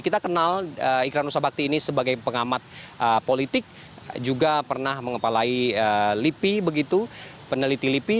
kita kenal ikra nusa bakti ini sebagai pengamat politik juga pernah mengepalai lipi begitu peneliti lipi